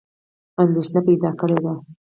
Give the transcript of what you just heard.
اندېښنه پیدا کړې ده.